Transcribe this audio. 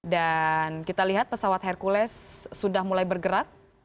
dan kita lihat pesawat hercules sudah mulai bergerak